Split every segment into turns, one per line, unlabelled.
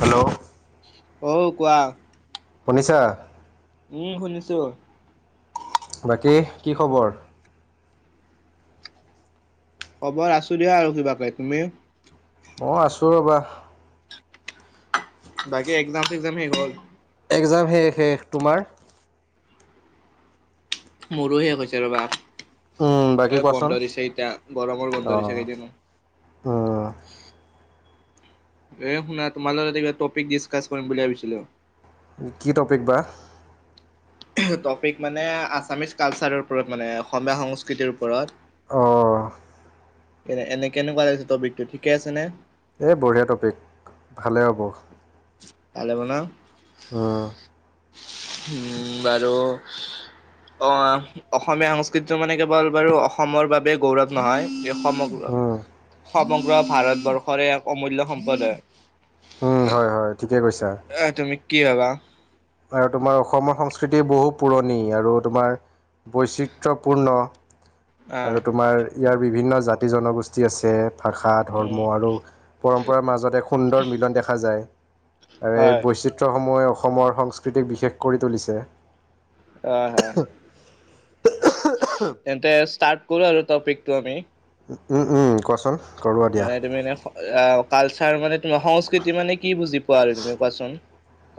Hello
অ কোৱা
শুনিছা
উম শুনিছো
বাকী কি খবৰ
খবৰ আছো দিয়া আৰু কিবাকে তুমি
মই আছো ৰবা
বাকী এক্সজাম চেক্সজাম শেষ হ'ল
এক্সজাম শেষ শেষ তোমাৰ
মোৰো শেষ হৈছে ৰ'বা
উম, বাকী
এ বন্ধ
কোৱাচোন
দিছে এতিয়া গৰমৰ বন্ধ দিছে কেইদিন মান
অ
এ শুনা তোমাৰ লগত আজি কিবা টপিক ডিছকাছ কৰিম বুলি ভাবিছিলো
কি টপিক বা
এহ টপিক মানে আছামিছ কালচাৰৰ ওপৰত মানে অসমীয়া সংস্কৃতিৰ ওপৰত
অ
এ এনে কেনেকুৱা লাগিছে টপিকটো ঠিকে আছে নে
এই বঢ়িয়া টপিক, ভালেই হ'ব।
ভালে হব ন।
অ
উম বাৰু অ, অসমীয়া সংস্কৃতিটো মানে কেৱল বাৰু অসমৰ বাবে গৌৰৱ নহয় এই সমগ্ৰ,
উম,
সমগ্ৰ ভাৰতবৰ্ষৰে এক অমূল্য সম্প্ৰদ হয়।
উম হয় হয়, ঠিকে কৈছা।
এ তুমি কি ভাবা
আৰু তোমাৰ অসমৰ সংস্কৃতি বহু পুৰণি আৰু তোমাৰ বৈচিত্ৰপূৰ্ণ,
আহ
আৰু তোমাৰ ইয়াৰ বিভিন্ন জাতি জনগোষ্ঠী আছে। ভাষা
উম
ধৰ্ম আৰু, পৰম্পৰাৰ মাজত এক সুন্দৰ মিলন দেখা যায়। এই
হয়
বৈচিত্ৰসমূহে অসমৰ সংস্কৃতিক বিশেষ কৰি তুলিছে।
অ হয়, তেন্তে ষ্টাৰ্ট কৰো আৰু টপিকটো আমি।
উম উম কোৱাচোন কৰোৱা দিয়া
মানে তুমি এনে এ কালচাৰ মানে তোমাৰ সংস্কৃতি মানে কি বুজি পোৱা আৰু তুমি কোৱাচোন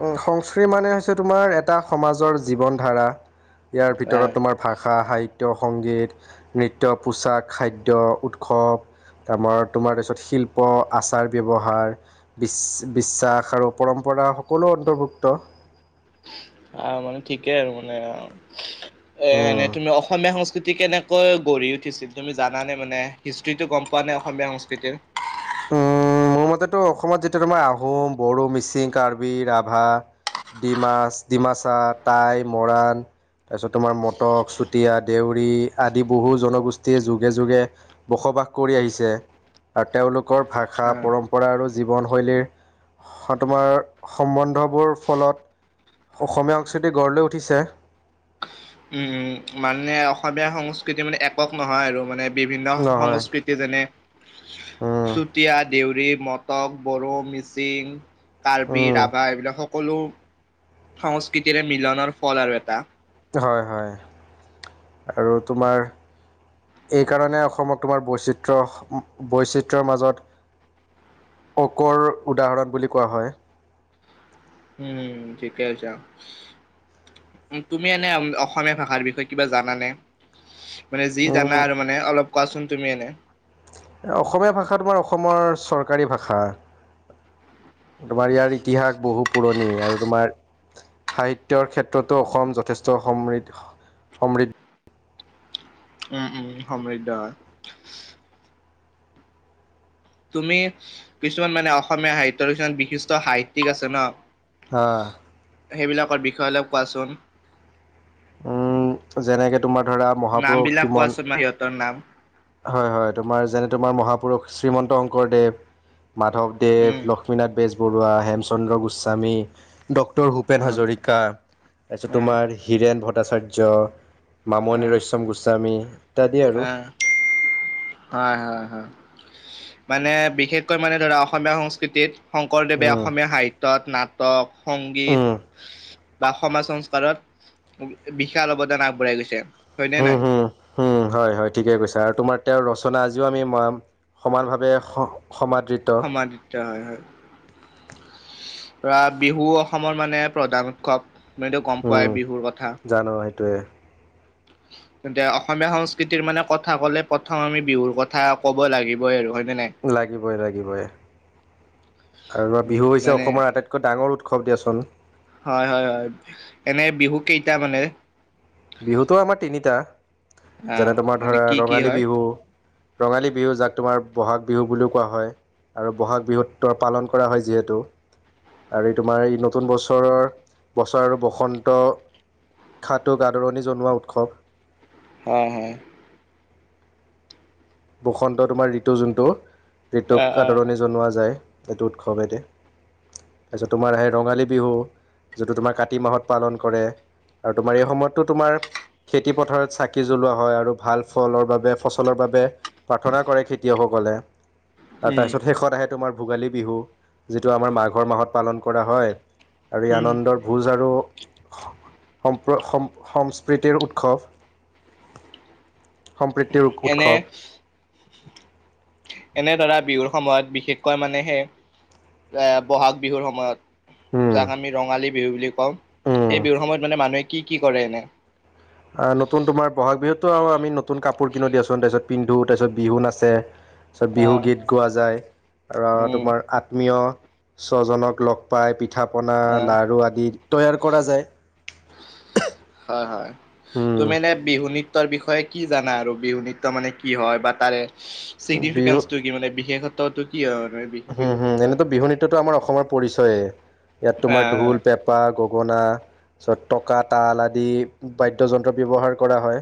উম সংস্কৃতি মানে হৈছে তোমাৰ এটা সমাজৰ জীৱন ধাৰা, ইয়াৰ
আহ
ভিতৰত তোমাৰ ভাষা, সাহিত্য, সংগীত, নৃত্য, পোচাক, খাদ্য, উৎসৱ, আমাৰ তোমাৰ তাৰপিছত শিল্প, আচাৰ ব্যৱহাৰ। বিশ-বিশ্বাস আৰু পৰম্পৰা সকলো অন্তৰ্ভুক্ত।
আহ, মানে ঠিকেই আৰু মানে, এ
উম
এনেই তুমি অসমীয়া সংস্কৃতি কেনে কৈ গঢ়ি উঠিছিল। তুমি জানে মানে, হিষ্টিটো গম পোৱা নাই অসমীয়া সংস্কৃতিৰ?
মোৰ মতেটো অসমত যেতিয়া তোমাৰ আহোম, বড়ো, মিচিং, কাৰ্বি, ৰাভা ডিমাছ, ডিমাচা, টাই, মৰাণ তাৰপিছত তোমাৰ মটক, চুতীয়া, দেউৰী আদি বহু জনগোষ্ঠীয়ে যুগে, যুগে বসবাস কৰি আহিছে। আৰু তেওঁলোকৰ ভাষা
অ
পৰম্প ৰা আৰু জীৱন শৈলীৰ, সম্বন্ধবোৰ ফলত অসমীয়া সংস্কৃতি গঢ়লৈ উঠিছে।
উম উম মানে অসমীয়া সংস্কৃতি মানে একক নহয় আৰু মানে বিভিন্ন
নহয়
সংস্কৃতি যেনে চুতীয়া, দেউৰী, মটক, বড়ো, মিচিং কাৰ্বি, ৰাভা এইবিলাক সকলো, সংস্কৃতিৰে মিলনৰ ফল আৰু এটা।
হয়, হয়। আৰু তোমাৰ এইকাৰণে অসমত তোমাৰ বৈচিত্ৰ, বৈচিত্ৰৰ মাজত অকৰ উদাহৰণ বুলি কোৱা হয়।
উম, ঠিকে কৈছা। তুমি এনে অসমীয়া ভাষাৰ বিষয়ে কিবা জানানে? মানে যি
উম,
জানা আৰু মানে অলপ কোৱাচোন তুমি এনে?
অসমীয়া ভাষা তোমাৰ অসমৰ চৰকাৰী ভাষা। তোমাৰ ইয়াৰ ইতিহাস বহু পুৰণি আৰু। তোমাৰ সাহিত্যয়ৰ ক্ষেত্ৰতো অসম যথেষ্ট সমৃদ্ধ, সমৃদ্ধ
উম, উম, সমৃদ্ধ হয়। তুমি, কিছুমান মানে অসমীয়া সাহিত্যৰ কিছুমান বিশিষ্ট সাহিত্যিক আছে ন।
অ',
সেইবিলাকৰ বিষয়ে অলপ কোৱাচোন?
উম, যেনেকে তোমাৰ ধৰা
নাম
মহাপুৰুষ
বিলাক
শ্ৰীমন্ত
কোৱাচোন চোন সিহঁতৰ নাম।
হয়, হয়। তোমাৰ যেনে তোমাৰ মহাপুৰুষ শ্ৰীমন্ত শংকৰদেৱ, মাধৱদেৱ,
উম,
ল লক্ষ্মীনাথ বেজবৰুৱা, হেমচন্দ্ৰ গোস্বামী, ডক্টৰ ভূপেন
অ',
হাজৰিকা। কা তাৰপিছত
অ',
তোমাৰ হীৰেণ ভট্টাচাৰ্য। মামণি
অ',
ৰয়চ্যম গোস্বামী ইত্যাদি আৰু।
অ', হয়, হয়। মানে বিশেষকৈ মানে ধৰা অসমীয়া সংস্কৃতিত শংকৰদেৱে
উম,
অসমীয়া সাহিত্যত, নাটক, সংগীত
উম,
বা সমাজ সংস্কাৰত বিশাল অৱদান আগবঢ়াই গৈছে হয়নে নাই?
উম, হয়, হয়। ঠিকে কৈছে আৰু তোমাৰ তেওঁৰ ৰচনা আজিও আমি ৰা সমানভাৱে স-সমাদৃত।
সমাদিত্য হয়, হয়। ধৰা বিহু অসমৰ মানে প্ৰধান উৎসৱ তুমিটো গম
উম,
পোৱাই বিহুৰ কথা।
জানো সেইটোৱে। [inaudible]
তেন্তে অসমীয়া সংস্কৃতিৰ মানে কথা ক'লে প্ৰথম আমি বিহুৰ কথা ক'ব লাগিবই আৰু হয়নে নাই।
লাগিবই, লাগিবই আৰু
উম
বিহু হৈছে
মানে
অসমৰ আটাইতকৈ একৈ ডাঙৰ উৎসৱ দিয়াচোন।
হয়, হয়, এনে বিহু কেইটা মানে
বিহুতটো আমাৰ তিনিটা
আহ
যেনে তোমাৰ
এনে
ধৰা
কি কি
ৰঙালী
হয়
বিহু ৰঙালী বিহু যাক তোমাৰ বহাগ বিহু বুলিও কোৱা হয়। আৰু বহাগ বিহুত্বৰ পালন কৰা হয় যিহেতু। আৰু এই তোমাৰ এই নতুন বছৰৰ বছৰ আৰু বসন্ত খাটোক আদৰণি জনোৱা উৎসৱ।
হয় হয়।
বসন্ত তোমাৰ ঋতু যোনটো
আহ
ঋতুক
আহ
আদৰণি জনোৱা যায়। এইটো উৎসৱ এনে তাৰপিছত তোমাৰ সেই ৰঙালী বিহু যিটো তোমাৰ কাতি মাহত পালন কৰে আৰু তোমাৰ এই সময়ততো তোমাৰ খেতি পথাৰত চাকি জ্বলোৱা হয় আৰু ভাল ফলৰ বাবে ফচলৰ বাবে। প্ৰাৰ্থনা কৰে খেতিয়কসকলে আৰ
উম
তাৰপিছত শেষত আহে তোমাৰ ভোগালী বিহু যিটো আমাৰ মাঘৰ মাহত পালন কৰা হয় আৰু এই
উম
আনন্দৰ ভোজ আৰু সংস্কৃতি উৎসৱ। সম্প্ৰতিৰ উৎসৱ।
এনেধৰা বিহুৰ সময়ত বিশেষকৈ মানে সে এ বহাগ বিহুৰ সময়ত। যাক
উৎসৱ
আমি ৰঙালী বিহু বুলি কওঁ সেই বিহুৰ সময়ত মানে মানুহে কি কি কৰে এনে
আহ নতুন তোমাৰ বহাগ আমি নতুন কাপোৰ কিনো তাৰ পিছ পিন্ধো তাৰপিছত বিহু নাছে। [inaudible] তাৰপছত
আহ
বিহুগীত গোৱা যায় আৰু
উম
তোমাৰ আত্মীয় স্বজনক লগ পাই পিঠা পনা
আহ
লাৰু আদি তৈয়াৰ কৰা যায়।
হয় হয় তুমি
উম
এনে বিহু নী বিষয়ে কি জানা আৰু বিহু নিট্য মানে কি হয় বা তাৰে।
বিহু
চিগনিফিকেন্সটো কি মানে বিশেষত্বটো কি আৰু বিহু নৃত্য
এইতো আমাৰ অসমৰ পৰিচয় ইয়াত তোমাৰ ঢোল
আহ
পেপ পেপা গগনা তাৰপিছত টকা তাল আদি বাদ্যযন্ত্ৰ ব্যৱহাৰ কৰা হয়।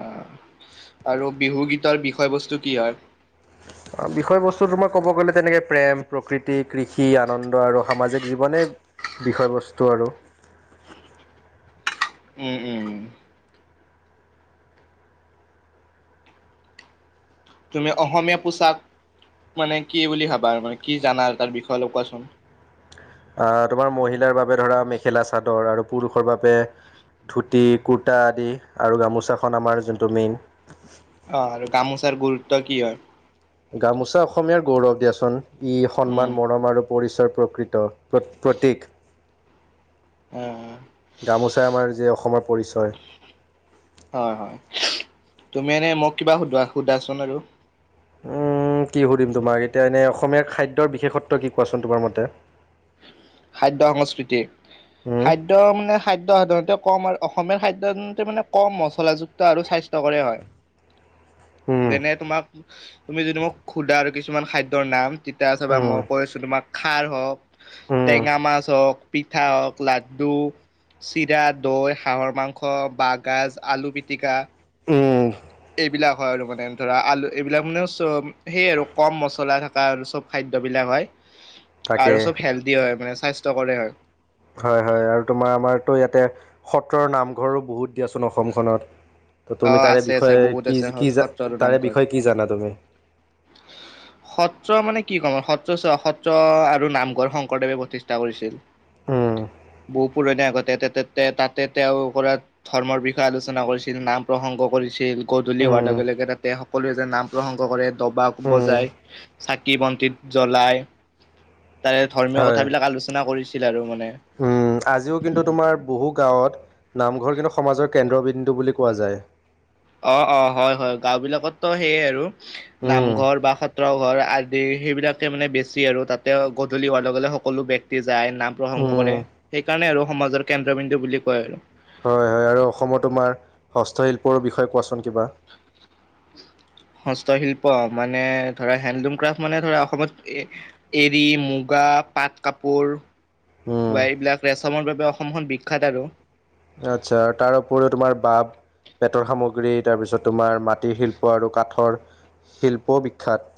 অহ আৰু বিহু গীতৰ বিষয় বস্তু কি হয়।
বিষয়বস্তুটো মই ক'ব গ'লে তেনেকে প্ৰেম প্ৰকৃতি কৃষি আনন্দ আৰু সামাজিক জীৱনে বিষয়বস্তু আৰু।
উম উম। তুমি অসমীয়া পোচাক মানে কি বুলি ভাবা আৰু মানে কি জানা আৰু তাৰ বিষয়ে অলপ কোৱাচোন।
অহ তোমাৰ মহিলাৰ বাবে ধৰা মেখেলা চাদৰ আৰু পুৰুষৰ বাবে ধুতি কুৰ্তা আদি গামোচাখন আমাৰ যোনটো মেইন
অ আৰু গামোচাৰ গুৰুত্ব কি হয়?
গামোচা অসমীয়াৰ গৌৰৱ দিয়াচোন ই
উম,
সন্মান মৰম আৰু পৰিচয় প্ৰকৃতি প্ৰতীক।
অ',
গামোচাই আমাৰ যে অসমৰ পৰিচয়।
হয়, হয় তুমি এনে মোক কিবা সুধা চোন আৰু।
কি সুধিম তোমাক এতিয়া এনেই অসমীয়াৰ খাদ্যৰ বিশেষত্ব কি কোৱাচোন তোমাৰ মতে?
খাদ্যৰ সংস্কৃতি,
উম
খাদ্য খাদ্য মানে খাদ্য সাধাৰণতে কম আৰু অসমীয় খাদ্য সাধাৰণতে মানে কম মছলাযুক্ত আৰু স্বাস্থ্যকৰে হয়।
[inaudible]
যেনে তোমাক তুমি যদি মোক সুধা আৰু কিছুমান খাদ্যৰ নাম। তেতিয়া চাবা,
উম
মই কৈ আছোঁ তোমাক খাৰ হওঁক
উম
টেঙা মাছ হওঁক পিঠা হওঁক লাড্ডু চিৰা দৈ হাঁহৰ মাংস বাঁহগাজ আলু পিটিকা
উম।
এইবিলাক হয় আৰু মানে, ধৰা আলু এইবিলাক মানে চ সেই আৰু ক'ম মছলা থকা আৰু চব খাদ্যবিলাক হয়।
[unintelligible]
আৰু চব হেলডি হয়, মানে স্বাস্থ্যকৰে হয়।
হয়, হয় আৰু তোমাৰ আমাৰতো ইয়াতে সত্ৰৰ নামঘৰো বহুত দিয়াচোন অসমখনত।
অ
তুমি তাৰে
আছে আছে
বিষয়ে
বহুত
কি
আছে
কি
সত্ৰ আৰু
তাৰে
নামঘৰ।
বিষয়ে কি জানা তুমি?
সত্ৰ মানে কি ক'ম? সত্ৰ সত্ৰ আৰু নামঘৰ শংকৰদেৱে প্ৰতিষ্ঠা কৰিছিল।
উম।
বহুত পুৰণি আগতে তাতে তেওঁ কৰা ধৰ্মৰ বিষয়ে আলোচনা কৰিছিল, নাম প্ৰসংগ কৰিছিল, গধূলি হোৱাৰ
উম,
লগে লগে তাতে সকলোৱে যে নাম প্ৰসংগ কৰে দবা কোব
উম,
বজাই চাকি বন্তিত জ্বলাই তাৰে ধৰ্মীয়
হয়।
কথাবিলাক আলোচনা কৰিছিল আৰু মানে।
উম, আজিও কিন্তু তোমাৰ বহু গাঁৱত নামঘৰ কিন্তু সমাজৰ কেন্দ্ৰবিন্দু বুলি কোৱা যায়।
অ', অ', হয় হয়। গাঁও বিলাকততো সেইয়ে আৰু।
উম,
নামঘৰ বা সত্ৰ ঘৰ আদি সেইবিলাকে মানে আৰু, তাতে গধূলি হোৱাৰ লগে লগে সকলো বক্তি যায় নাম প্ৰসংগ
উম,
কৰে, সেইকাৰণে সমাজৰ কেন্দ্ৰবিন্দু কয় আৰু।
হয়, হয়। আৰু অসমত তোমাৰ হস্তশিল্পৰ বিষয়ে কোৱাচোন কিবা?
হস্তশিল্প মানে, ধৰা হেণ্ডলুম ক্ৰাফ্ট মানে ধৰা অসমত এ এৰী মুগা পাট কাপোৰ
উম,
বা এইবিলাক ৰেচমৰ বাবে অসমখন বিখ্যাত আৰু।
আচ্ছা তাৰ উপৰিও তোমাৰ বাঁহ বেটৰ সামগ্ৰী, তাৰপিছত তোমাৰ মাটিৰ শিল্প আৰু কাঠৰ শিল্পও বিখ্যাত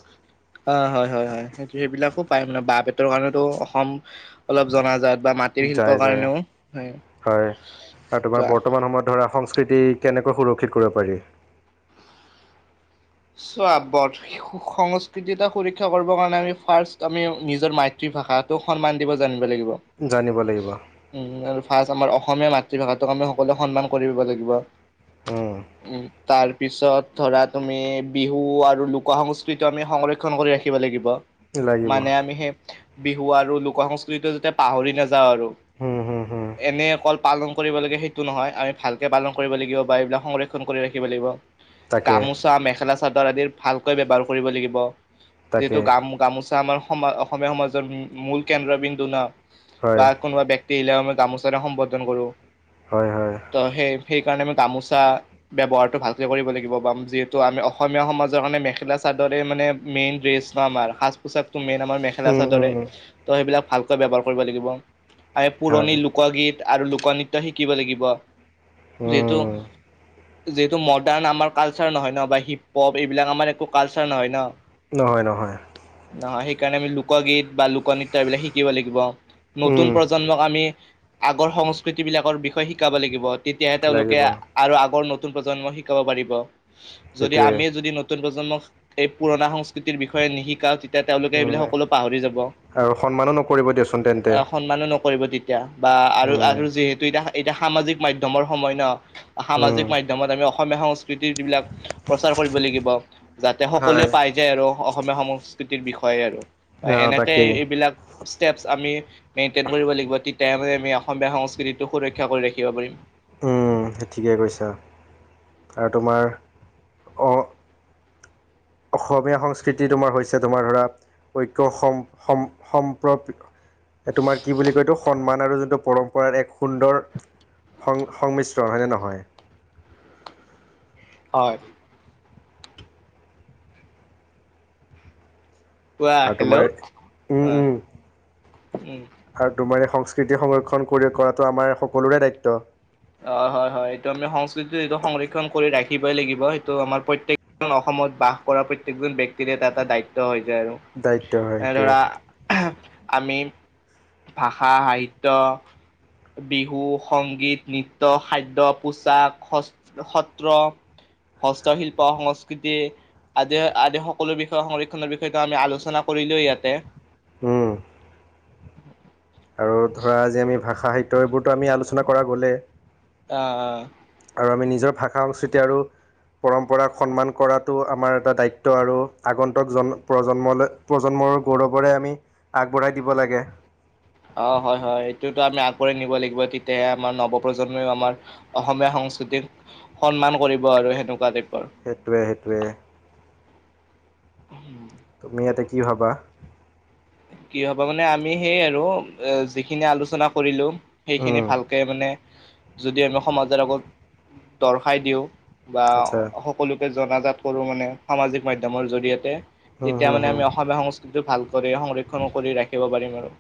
অ', হয় হয় হয় সেইবিলাকো পায়। মানে বাঁহ বেতৰ কাৰণেতো অসম অলপ জনাজাত। বা মা
যায়, যায় হয়। আৰু তোমাৰ
কোৱা
বৰ্তমান সময়ত ধৰা সংস্কৃতিক কেনেকৈ সুৰক্ষিত কৰিব পাৰি।
চোৱা সংস্কৃতিটা সুৰক্ষা কৰিবৰ কাৰণে আমি ফাৰ্ষ্ট আমি নিজৰ মা তৃভাষাটোক সন্মান দিব জানিব লাগিব।
জানিব লাগিব।
উম, আৰু ফাৰ্ষ্ট আমাৰ অসমীয়া মাতৃভাষাটোক আমি সকলোৱে সন্মান কৰিব লাগিব।
উম,
তাৰপিছত ধৰা তুমি বিহু আৰু লোক সংস্কৃতিটো সংৰক্ষন কৰি ৰাখিব লাগিব।
লাগিব
মানে আমি হেই বিহু আৰু লোক সংস্কৃতিটো যেতিয়া পাহৰি নাযাওঁ আৰু।
হুম, হুম, হুম।
এনে অকল পালন কৰিব লাগে সেইটো নহয়, আমি ভালকে পালন কৰিব লাগিব এইবিলাক সংৰক্ষন কৰি ৰাখিব লাগিব।
তাকে
গামোচা মেখেলা চাদৰ আদিৰ ভালকৈ ব্যৱহাৰ কৰিব লাগিব।
তাকে
যিহেতু গ গামোচা আমাৰ সম অসমীয়া সমাজৰ মূল কেন্দ্ৰবিন্দু ন।
হয়
বা কোনোবা ব্যক্তি আহিলে আমি গামোচা সম্বৰ্ধন কৰো।
হয়, হয়।
ত সেই সেইকাৰণে আমি গামোচা ব্যৱহাৰটো ভালকে কৰিব লাগিব। বা যিহেতু আমি অসমীয়া সমাজৰ কাৰণে মেখেলা চাদৰে মানে মেইন ড্ৰেছ ন, আমাৰ সাজ পোচাকটো মেইন আমাৰ
উম, উম,
মাখেলাচাদৰে।
উম।
তো হেই বিলাক ভালকৈ ব্যৱহাৰ কৰিব লাগিব। আমি
হয়
পুৰণি লোক কগীত আৰু লোকনৃত্য শিকিব লাগিব। যিহেতু
উম,
যিহেতু মডাৰ্ণ আমাৰ কালচাৰ নহয় ন, বা হিপ হপ এইবিলাক আমাৰ একো কালচাৰ নহয় ন।
নহয়, নহয়।
নহয়, সেইকাৰণে আমি লোকগীত বা লোক নৃত্য এইবিলাক শিকিব লাগিব। নতুন
উম,
প্ৰজন্মক আমি আগৰ সংস্কৃতিবিলাকৰ বিষয়ে শিকাব লাগিব। তেতিয়াহে তেওঁলোকে
লাগিব
আৰু আগৰ নতুন প্ৰজন্ম শিকাব পাৰিব। যদি
সেইটোৱে
আমি যদি নতুন প্ৰজন্মক এই পুৰণা সংস্কৃতিৰ বিষয়ে নিশিকাওঁ তেত তেতিয়া তেওঁলোকে
উম,
এইবিলাক সকলো পাহৰি যাব, অ',
আৰু সন্মানো নকৰিব দিয়চোন তেন্তে
সন্মানো নকৰিব তেত তিয়া বা
উম,
আৰু-আৰু যিহেতু এতিয়া-এতিয়া সামাজিক মাধ্যয়মৰ সময় ন
উম।
সামাজিক মাধ্যয়মত আমি অসমীয়া সংস্কৃতিৰ যিবিলাক প্ৰচাৰ কৰিব লাগিব। যাতে সকলোৱে
হয়
পাই যায় আৰু অসমীয়া সংস্কৃতিৰ বিষয়ে আৰু। হয়,
অঁ
এনেকে
তাকেই
এইবিলাক ষ্টেপচ আমি মেইনটেইন কৰিব লাগিব, তেত তে [unintelligible] আমি অসমীয়া সংস্কৃতিটো সুৰক্ষা কৰি ৰাখিব পাৰিম।
উম, ঠিকে কৈছা আৰু তোমাৰ, অ' অসমীয়া সংস্কৃতি তোমাৰ হৈছে তোমাৰ ধৰা ঐক্য সম্-সম্-সম্প্ৰপিত এ তোমাৰ কি বুলি কয় এটো সন্মান আৰু যোনটো পৰম্পৰাৰ এক সুন্দৰ সং-সংমিশ্ৰণ হয়নে নহয়?
হয়। কোৱা,
আৰু তোমাৰ
হেল্ল'।
উম
অ',
উম
উম।
আৰু তোমাৰ এই সংস্কৃতি সংৰক্ষণ কৰি কৰাটো আমাৰ সকলোৰে দায়িত্ব।
অ', হয়, হয়। এইটো আমি সংস্কৃতি এটো সংৰক্ষণ কৰি ৰাখিবই লাগিব। সেইটো আমাৰ প্ৰত্যেক অসমত বাস কৰা প্ৰত্যকজন ব্যয়ক্তিৰে এটা-এটা দায়িত্ব হৈ যায় আৰু।
দায়িত্ব হয়
এনে
সেইটোৱে
ধৰা আমি ভাষা-সাহিত্য বিহু-সংগীত নৃত্য, খাদ্য, পোচাক, সচ-সত্ৰ হস্তশিল্প, সংস্কৃতি আদি-আদি সকলো বিষয় সংৰক্ষণৰ বিষয়টো আমি আলোচনা কৰিলোৱে ইয়াতে।
উম। আৰু ধৰা আজি আমি ভাষা সাহিত্য এইবোৰতো আমি আলোচনা কৰা গ'লে।
অ', অ'।
আৰু আমি নিজৰ ভাষা-সংস্কৃতি আৰু পৰম্পৰাক সন্মান কৰাটো আমাৰ এটা দায়িত্ব, আৰু আগন্তুক জন-প্ৰজন্মলৈ প্ৰজন্মৰ গৌৰৱৰে আমি আগবঢ়াই দিব লাগে।
অ', হয়, হয়। এইটোৱেতো আমি আগবঢ়াই নিব লাগিব তেতিয়াহে আমাৰ নৱপ্ৰজন্মইও আমাৰ অসমীয়া সংস্কৃতিক সন্মান কৰিব আৰু সেনেকুৱা টাইপৰ।
হেইটোৱে, হেইটোৱে।
[unintelligible]
তুমি ইয়াতে কি ভাবা?
কি ভাবা মানে আমি সেয়ে আৰু এ যিখিনি আলোচনা কৰিলো সেইখিনি
উম
ভাল কে মানে যদি আমি সমাজৰ আগত দৰ্শাই দিওঁ, বা
আচ্ছা
স সকলোকে জনাজাত কৰো মানে সামাজিক মাধ্যমৰ জৰিয়তে,
হুম
তেতিয়া
হুম
মানে
হুম
আমি অসমীয়া সংস্ক স্কৃতিটো ভাল কৰি সংৰক্ষণ কৰি ৰাখিব পাৰিম আৰু।